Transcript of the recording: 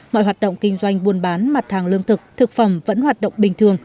mọi hoạt động kinh doanh buôn bán mặt hàng lương thực thực phẩm vẫn hoạt động bình thường